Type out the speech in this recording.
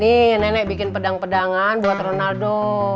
nih nenek bikin pedang pedangan buat ronaldo